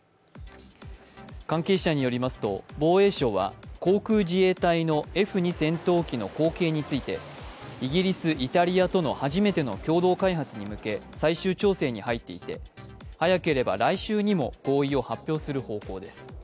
関係者によりますと防衛省は航空自衛隊のＦ−２戦闘機の後継についてイギリス・イタリアとの初めての共同開発に向け最終調整に入っていて、早ければ来週にも合意を発表する方向です。